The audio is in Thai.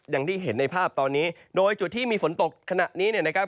อย่างที่เห็นในภาพตอนนี้โดยจุดที่มีฝนตกขณะนี้เนี่ยนะครับ